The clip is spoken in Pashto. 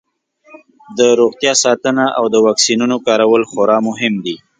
د روغتیا ساتنه او د واکسینونو کارول خورا مهم دي.